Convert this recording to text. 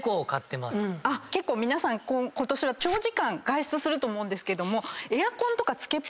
結構皆さん今年は長時間外出すると思うんですけども。